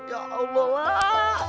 ya allah lah